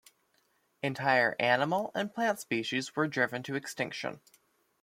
Entire animal and plant species were driven to extinction.